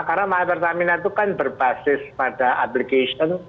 karena my pertamina itu kan berbasis pada aplikasi